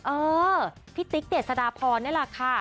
เออพี่ติ๊กเจษฎาพรนี่แหละค่ะ